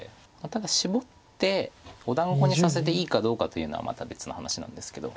ただシボってお団子にさせていいかどうかというのはまた別の話なんですけど。